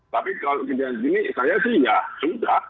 tapi kalau kejadian gini saya sih ya sudah